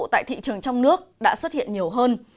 tại thị trường trong nước đã xuất hiện nhiều hơn